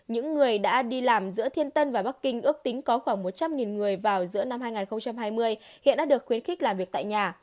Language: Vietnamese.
những người đã đi làm giữa thiên tân và bắc kinh ước tính có khoảng một trăm linh người vào giữa năm hai nghìn hai mươi hiện đã được khuyến khích làm việc tại nhà